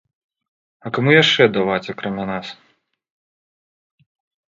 А каму яшчэ даваць, акрамя нас?